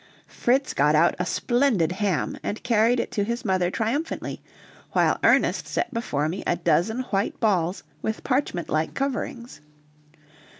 Fritz got out a splendid ham and carried it to his mother triumphantly, while Ernest set before me a dozen white balls with parchment like coverings.